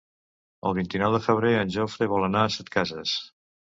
El vint-i-nou de febrer en Jofre vol anar a Setcases.